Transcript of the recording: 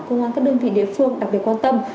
công an các đơn vị địa phương đặc biệt quan tâm